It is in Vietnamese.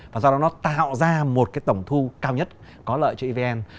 và do đó nó tạo ra một cái tổng thu cao nhất có lợi cho evn